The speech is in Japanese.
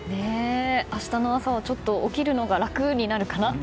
あしたの朝はちょっと起きるのが楽になるかな。